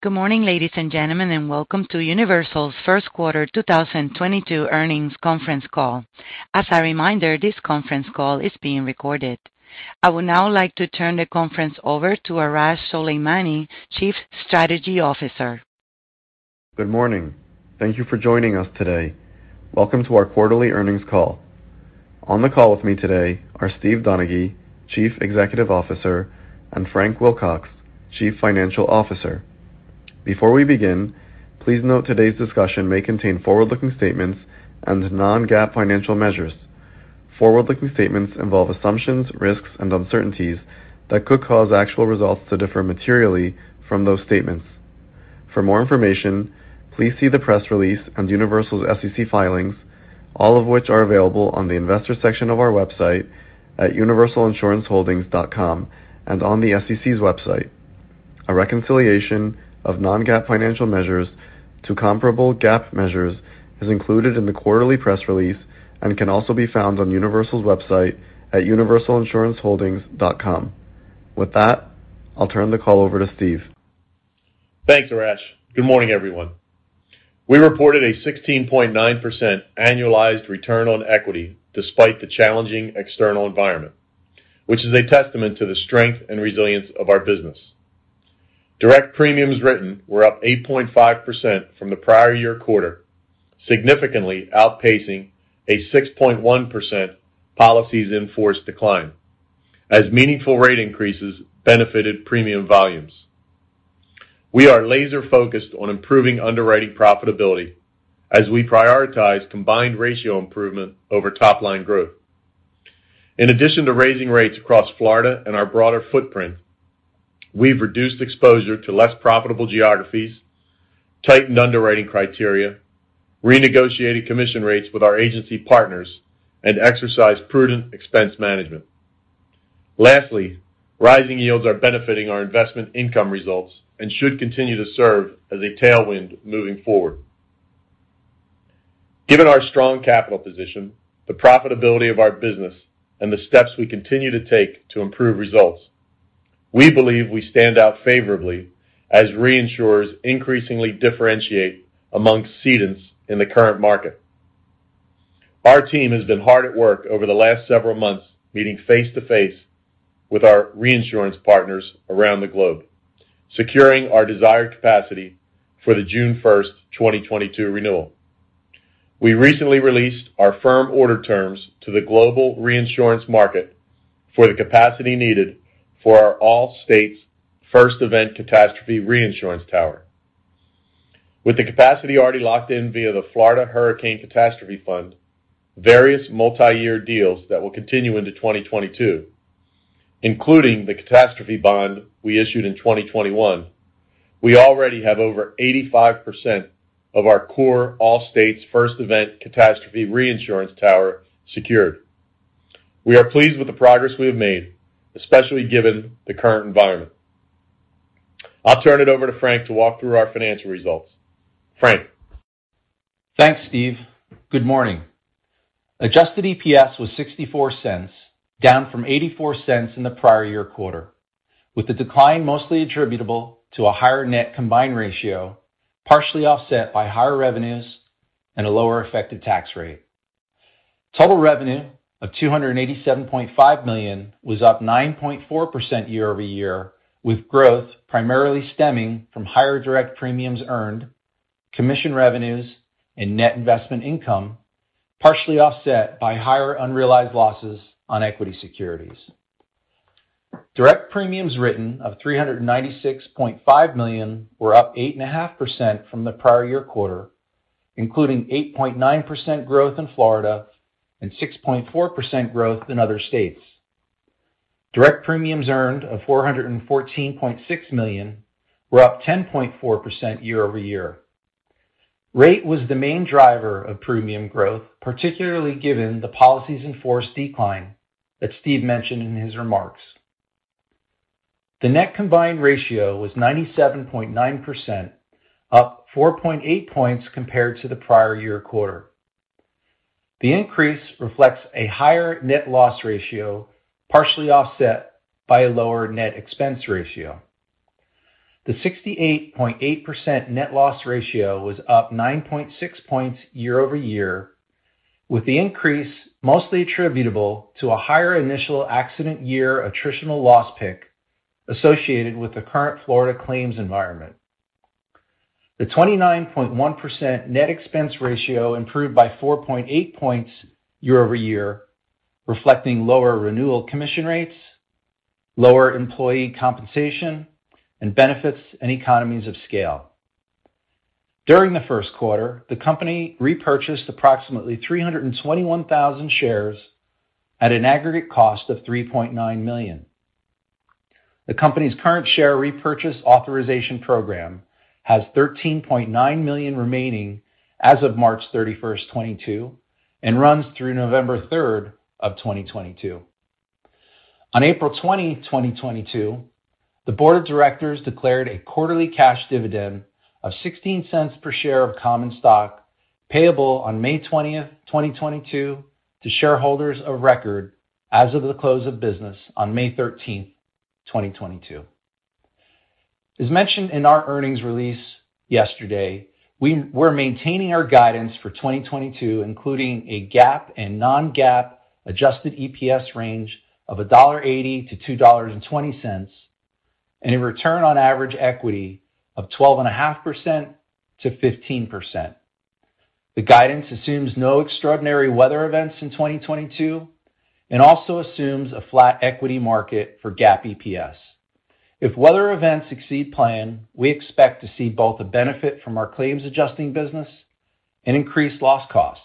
Good morning, ladies and gentlemen, and welcome to Universal's First Quarter 2022 Earnings Conference Call. As a reminder, this conference call is being recorded. I would now like to turn the conference over to Arash Soleimani, Chief Strategy Officer. Good morning. Thank you for joining us today. Welcome to our quarterly earnings call. On the call with me today are Steve Donaghy, Chief Executive Officer, and Frank Wilcox, Chief Financial Officer. Before we begin, please note today's discussion may contain forward-looking statements and non-GAAP financial measures. Forward-looking statements involve assumptions, risks and uncertainties that could cause actual results to differ materially from those statements. For more information, please see the press release on Universal's SEC filings, all of which are available on the investor section of our website at universalinsuranceholdings.com and on the SEC's website. A reconciliation of non-GAAP financial measures to comparable GAAP measures is included in the quarterly press release and can also be found on Universal's website at universalinsuranceholdings.com. With that, I'll turn the call over to Steve. Thanks, Arash. Good morning, everyone. We reported a 16.9% annualized return on equity despite the challenging external environment, which is a testament to the strength and resilience of our business. Direct premiums written were up 8.5% from the prior year quarter, significantly outpacing a 6.1% policies in force decline as meaningful rate increases benefited premium volumes. We are laser-focused on improving underwriting profitability as we prioritize combined ratio improvement over top line growth. In addition to raising rates across Florida and our broader footprint, we've reduced exposure to less profitable geographies, tightened underwriting criteria, renegotiated commission rates with our agency partners and exercised prudent expense management. Lastly, rising yields are benefiting our investment income results and should continue to serve as a tailwind moving forward. Given our strong capital position, the profitability of our business, and the steps we continue to take to improve results, we believe we stand out favorably as reinsurers increasingly differentiate among cedants in the current market. Our team has been hard at work over the last several months, meeting face-to-face with our reinsurance partners around the globe, securing our desired capacity for the 1 June 2022 renewal. We recently released our firm order terms to the global reinsurance market for the capacity needed for our All States first event catastrophe reinsurance tower. With the capacity already locked in via the Florida Hurricane Catastrophe Fund, various multi-year deals that will continue into 2022, including the catastrophe bond we issued in 2021. We already have over 85% of our core All States first event catastrophe reinsurance tower secured. We are pleased with the progress we have made, especially given the current environment. I'll turn it over to Frank to walk through our financial results. Frank. Thanks, Steve. Good morning. Adjusted EPS was $0.64, down from $0.84 in the prior year quarter, with the decline mostly attributable to a higher net combined ratio, partially offset by higher revenues and a lower effective tax rate. Total revenue of $287.5 million was up 9.4% year-over-year, with growth primarily stemming from higher direct premiums earned, commission revenues, and net investment income, partially offset by higher unrealized losses on equity securities. Direct premiums written of $396.5 million were up 8.5% from the prior year quarter, including 8.9% growth in Florida and 6.4% growth in other states. Direct premiums earned of $414.6 million were up 10.4% year-over-year. Rate was the main driver of premium growth, particularly given the policies in force decline that Steve mentioned in his remarks. The net combined ratio was 97.9%, up 4.8 points compared to the prior year quarter. The increase reflects a higher net loss ratio, partially offset by a lower net expense ratio. The 68.8% net loss ratio was up 9.6 points year-over-year, with the increase mostly attributable to a higher initial accident year attritional loss pick associated with the current Florida claims environment. The 29.1% net expense ratio improved by 4.8 points year-over-year, reflecting lower renewal commission rates, lower employee compensation, and benefits and economies of scale. During the first quarter, the company repurchased approximately 321,000 shares at an aggregate cost of $3.9 million. The company's current share repurchase authorization program has 13.9 million remaining as of 31 March 2022, and runs through 3 November 2022. On 20 April 2022, the board of directors declared a quarterly cash dividend of $0.16 per share of common stock, payable on 20 May 2022 to shareholders of record as of the close of business on 13 May 2022. As mentioned in our earnings release yesterday, we're maintaining our guidance for 2022, including a GAAP and non-GAAP adjusted EPS range of $1.80-$2.20, and a return on average equity of 12.5%-15%. The guidance assumes no extraordinary weather events in 2022 and also assumes a flat equity market for GAAP EPS. If weather events exceed plan, we expect to see both the benefit from our claims adjusting business and increased loss costs.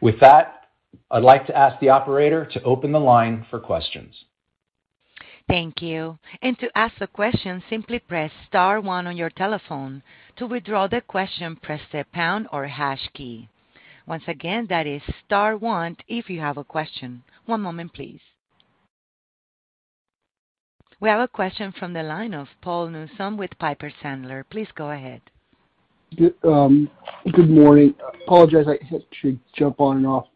With that, I'd like to ask the operator to open the line for questions. Thank you. To ask a question, simply press star one on your telephone. To withdraw the question, press the pound or hash key. Once again, that is star one if you have a question. One moment, please. We have a question from the line of Paul Newsome with Piper Sandler. Please go ahead. Good morning. I apologize. I had to jump on and off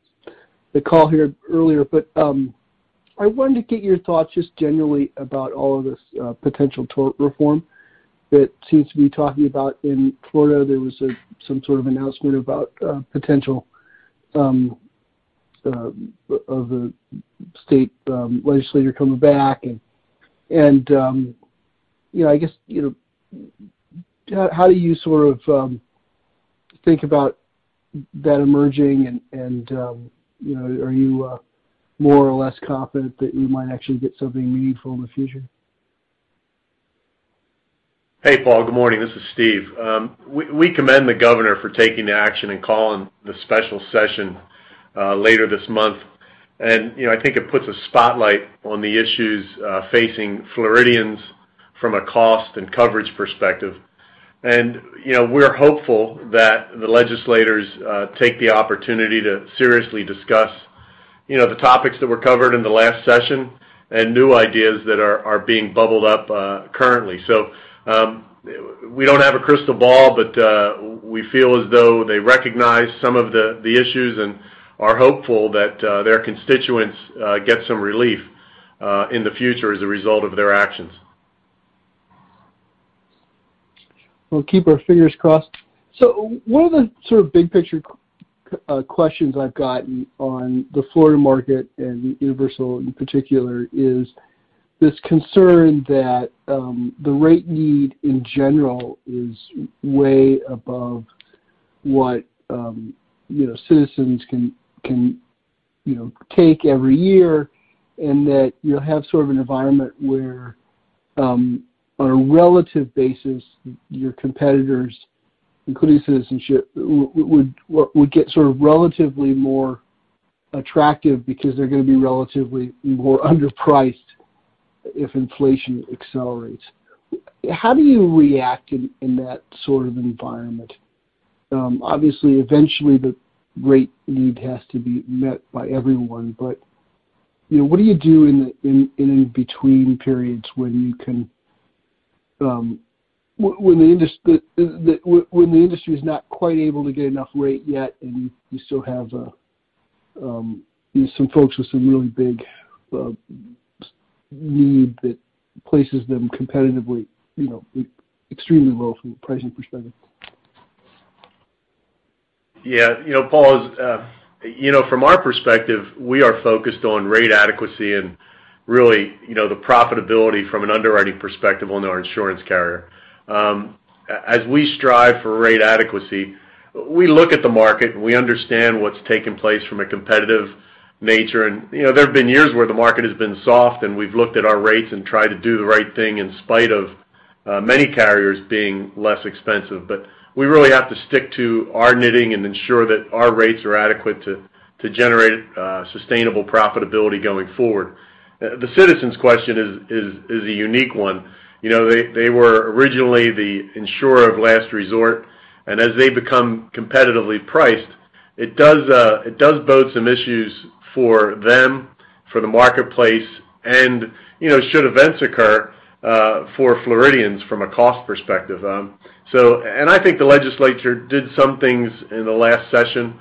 the call here earlier, but I wanted to get your thoughts just generally about all of this potential tort reform that seems to be talking about in Florida. There was some sort of announcement about potential of the State Legislature coming back. You know, I guess, you know, how do you sort of think about that emerging and you know, are you more or less confident that you might actually get something meaningful in the future? Hey, Paul, good morning. This is Steve. We commend the Governor for taking the action and calling the special session later this month. You know, I think it puts a spotlight on the issues facing Floridians from a cost and coverage perspective. You know, we're hopeful that the legislators take the opportunity to seriously discuss the topics that were covered in the last session and new ideas that are being bubbled up currently. We don't have a crystal ball, but we feel as though they recognize some of the issues and are hopeful that their constituents get some relief in the future as a result of their actions. We'll keep our fingers crossed. One of the sort of big picture questions I've gotten on the Florida market and Universal in particular is this concern that the rate need in general is way above what you know Citizens can take every year, and that you have sort of an environment where on a relative basis your competitors including Citizens would get sort of relatively more attractive because they're going to be relatively more underpriced if inflation accelerates. How do you react in that sort of environment? Obviously, eventually the rate need has to be met by everyone, but, you know, what do you do in between periods when you can, when the industry is not quite able to get enough rate yet, and you still have some folks with some really big need that places them competitively, you know, extremely well from a pricing perspective. Yeah, you know, Paul, from our perspective, we are focused on rate adequacy and really, you know, the profitability from an underwriting perspective on our insurance carrier. As we strive for rate adequacy, we look at the market, and we understand what's taken place from a competitive nature. You know, there have been years where the market has been soft, and we've looked at our rates and tried to do the right thing in spite of many carriers being less expensive. We really have to stick to our knitting and ensure that our rates are adequate to generate sustainable profitability going forward. The Citizens question is a unique one. You know, they were originally the insurer of last resort, and as they become competitively priced, it does bode some issues for them, for the marketplace, and, you know, should events occur for Floridians from a cost perspective. I think the legislature did some things in the last session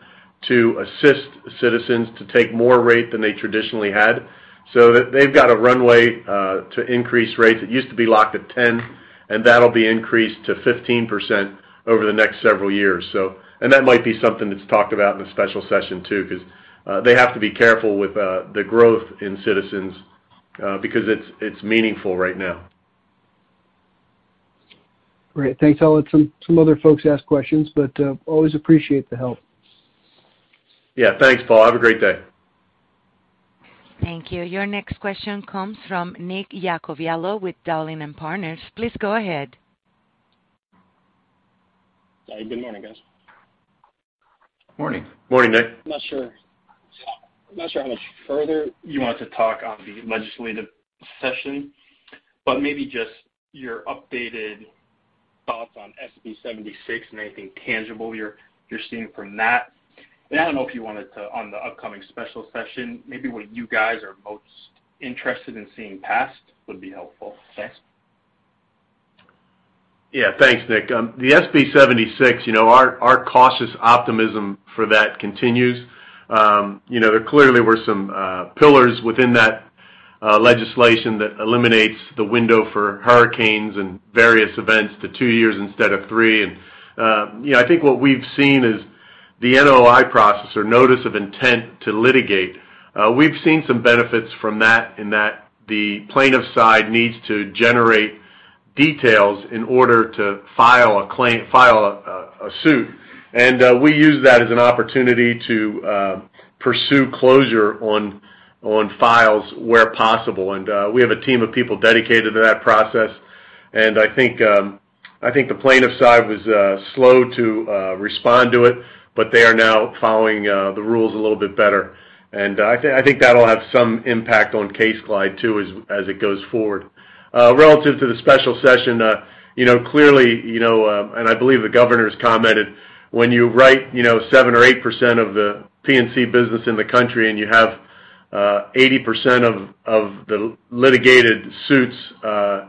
to assist Citizens to take more rate than they traditionally had. They've got a runway to increase rates. It used to be locked at 10%, and that'll be increased to 15% over the next several years. That might be something that's talked about in the special session, too, because they have to be careful with the growth in Citizens, because it's meaningful right now. Great. Thanks. I'll let some other folks ask questions, but always appreciate the help. Yeah. Thanks, Paul. Have a great day. Thank you. Your next question comes from Nicolas Iacoviello with Dowling & Partners. Please go ahead. Good morning, guys. Morning. Morning, Nick. I'm not sure how much further you want to talk on the legislative session, but maybe just your updated thoughts on SB 76 and anything tangible you're seeing from that. I don't know if you wanted to on the upcoming special session, maybe what you guys are most interested in seeing passed would be helpful. Thanks. Yeah. Thanks, Nick. The SB 76, you know, our cautious optimism for that continues. You know, there clearly were some pillars within that legislation that eliminates the window for hurricanes and various events to two years instead of three. You know, I think what we've seen is the NOI process or notice of intent to litigate. We've seen some benefits from that in that the plaintiff's side needs to generate details in order to file a suit. We use that as an opportunity to pursue closure on files where possible. We have a team of people dedicated to that process. I think the plaintiff's side was slow to respond to it, but they are now following the rules a little bit better. I think that'll have some impact on CaseGlide too, as it goes forward. Relative to the special session, you know, clearly, you know, I believe the Governor's commented when you write, you know, 7 or 8% of the P&C business in the country and you have 80% of the litigated suits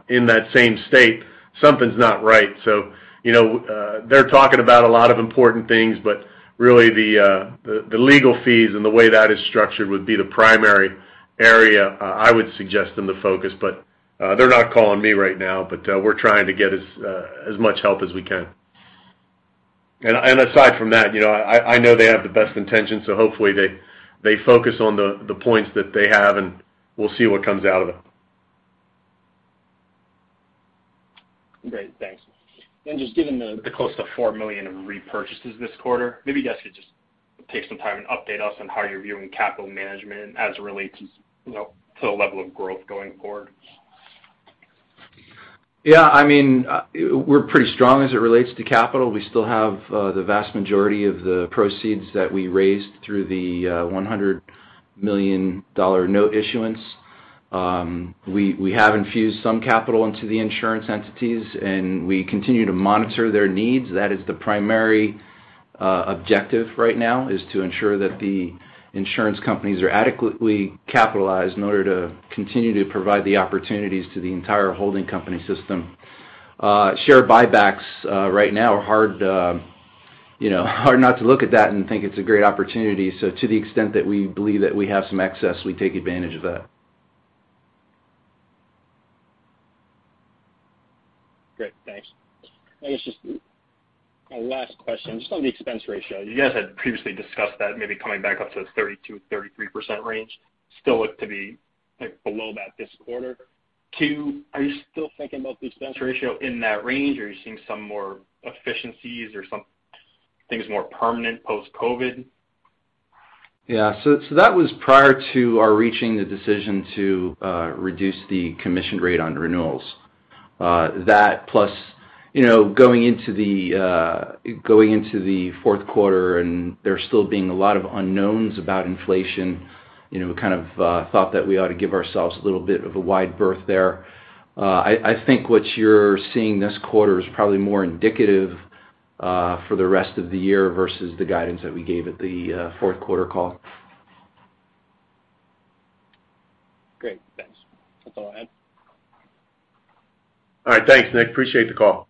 in that same state, something's not right. You know, they're talking about a lot of important things, but really the legal fees and the way that is structured would be the primary area I would suggest them to focus, but they're not calling me right now. We're trying to get as much help as we can. Aside from that, you know, I know they have the best intentions, so hopefully they focus on the points that they have, and we'll see what comes out of them. [inaudible] Great. Thanks. Just given the close to $4 million in repurchases this quarter, maybe you guys could just take some time and update us on how you're viewing capital management as it relates to, you know, to the level of growth going forward. Yeah. I mean, we're pretty strong as it relates to capital. We still have the vast majority of the proceeds that we raised through the $100 million note issuance. We have infused some capital into the insurance entities, and we continue to monitor their needs. That is the primary objective right now, is to ensure that the insurance companies are adequately capitalized in order to continue to provide the opportunities to the entire holding company system. Share buybacks right now are hard, you know, hard not to look at that and think it's a great opportunity. To the extent that we believe that we have some excess, we take advantage of that. Great, thanks. I guess just a last question. Just on the expense ratio, you guys had previously discussed that maybe coming back up to the 32%-33% range. Still look to be, like, below that this quarter. Two, are you still thinking about the expense ratio in that range, or are you seeing some more efficiencies or some things more permanent post-COVID? Yeah. That was prior to our reaching the decision to reduce the commission rate on renewals. That plus, you know, going into the fourth quarter and there still being a lot of unknowns about inflation, you know, we kind of thought that we ought to give ourselves a little bit of a wide berth there. I think what you're seeing this quarter is probably more indicative for the rest of the year versus the guidance that we gave at the fourth quarter call. Great, thanks. That's all I have. [inaudible] All right, thanks, Nick. Appreciate the call.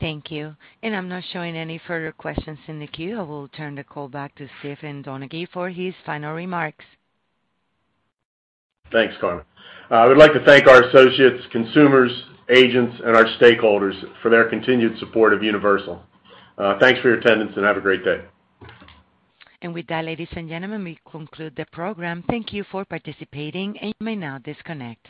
Thank you. I'm not showing any further questions in the queue. I will turn the call back to Steve Donaghy for his final remarks. Thanks, Carmen. I would like to thank our associates, consumers, agents, and our stakeholders for their continued support of Universal. Thanks for your attendance and have a great day. With that, ladies and gentlemen, we conclude the program. Thank you for participating, and you may now disconnect.